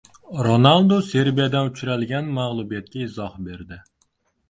Ronaldu Serbiyadan uchralgan mag‘lubiyatga izoh berdi